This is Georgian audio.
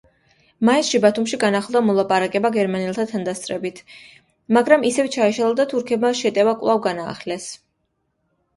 მაისში ბათუმში განახლდა მოლაპარაკება გერმანელთა თანდასწრებით, მაგრამ ისევ ჩაიშალა და თურქებმა შეტევა კვლავ განაახლეს.